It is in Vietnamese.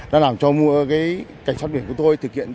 đã làm cho cảnh sát biển của tôi thực hiện